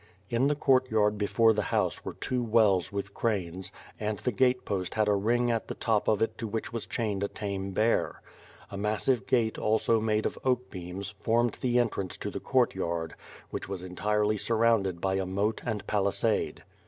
In the court yard be fore the house were two wells with cranes, and the gate post had a ring at the top of it to which was chained a tame bear. A massive gate also made of oak beams, formed the entrance to the court yard, which was entirely surrounded by a moat and palisade.